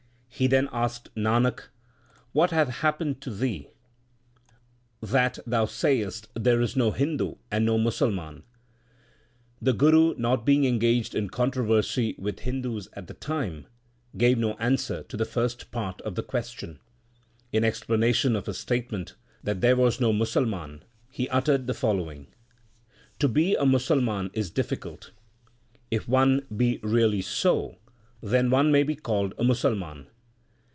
He then asked Nanak, What hath happened to thee, that 1 S. colloquialism. 2 Mam. 38 THE SIKH RELIGION thou sayest there is no Hindu and no Musalman ? The Guru, not being engaged in controversy with Hindus at the time, gave no answer to the first part of the question. In explanation of his statement that there was no Musalman he uttered the follow ing : To be 1 a Musalman is difficult ; if one be really so, then one may be called a Musalman.